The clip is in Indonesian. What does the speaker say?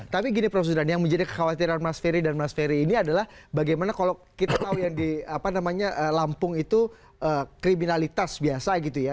tapi gini prof sudan yang menjadi kekhawatiran mas ferry dan mas ferry ini adalah bagaimana kalau kita tahu yang di apa namanya lampung itu kriminalitas biasa gitu ya